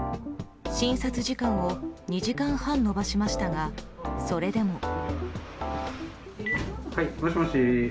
診察時間を２時間半延ばしましたがそれでも。